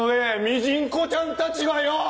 ミジンコちゃんたちがよぉ！